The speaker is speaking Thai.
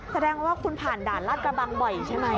แสดงว่าคุณผ่านด่านลาดกระบังบ่อยใช่ไหม